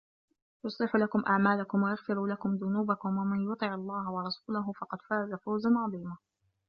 يُصلِح لَكُم أَعمالَكُم وَيَغفِر لَكُم ذُنوبَكُم وَمَن يُطِعِ اللَّهَ وَرَسولَهُ فَقَد فازَ فَوزًا عَظيمًا